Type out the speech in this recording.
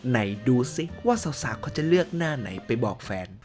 ไหนดูสิว่าสาวเขาจะเลือกหน้าไหนไปบอกแฟน